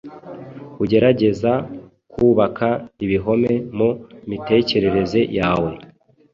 ugerageza kubaka ibihome mu mitekerereze yawe.